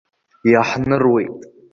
Иаҳныруеит.